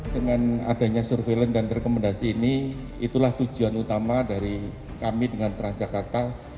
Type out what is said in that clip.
dengan adanya surveillance dan rekomendasi ini itulah tujuan utama dari kami dengan transjakarta